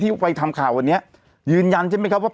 ไปทำข่าววันนี้ยืนยันใช่ไหมครับว่า